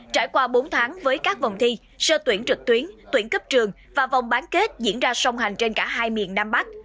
trải qua bốn tháng với các vòng thi sơ tuyển trực tuyến tuyển cấp trường và vòng bán kết diễn ra song hành trên cả hai miền nam bắc